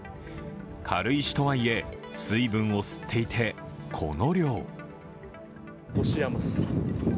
軽石とはいえ、水分を吸っていて、この量。